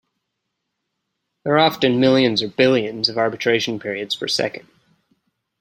There are often millions or billions of arbitration periods per second.